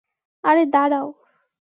আরে, দাঁড়াও।